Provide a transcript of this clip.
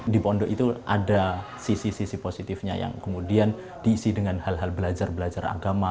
di pondok itu ada sisi sisi positifnya yang kemudian diisi dengan hal hal belajar belajar agama